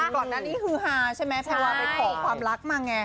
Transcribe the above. ก่อนหน้านี้ฮือฮาใช่ไหมแพรวาไปขอความรักมาไง